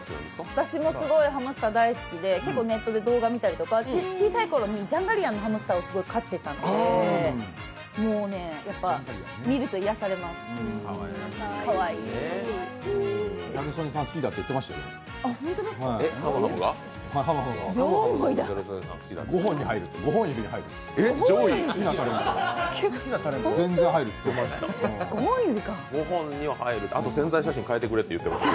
私もすごいハムスター大好きで、結構ネットで動画を見たりとか小さいころにジャンガリアンのハムスターを飼っていたのでギャル曽根さん好きだって言ってました。